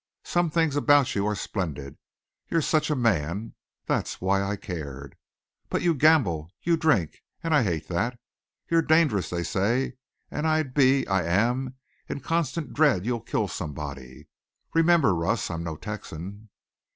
Some things about you are splendid, you're such a man, that's why I cared. But you gamble. You drink and I hate that. You're dangerous they say, and I'd be, I am in constant dread you'll kill somebody. Remember, Russ, I'm no Texan."